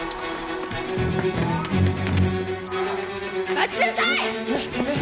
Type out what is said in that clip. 待ちなさい！